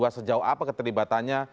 sejauh apa keterlibatannya